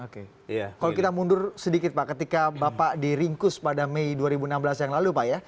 kalau kita mundur sedikit pak ketika bapak diringkus pada mei dua ribu enam belas yang lalu pak ya